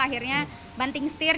akhirnya banting setir